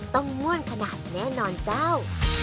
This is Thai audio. ง่วนขนาดแน่นอนเจ้า